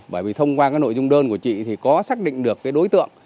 bởi vì thông qua cái nội dung đơn của chị thì có xác định được cái đối tượng